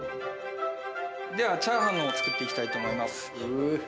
ではチャーハンの方作っていきたいと思います。